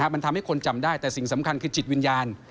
มันทำให้คนจำได้แต่สิ่งสำคัญคือจิตวิญญาณ